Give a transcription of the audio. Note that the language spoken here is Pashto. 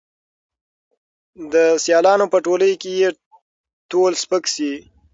د سیالانو په ټولۍ کي یې تول سپک سي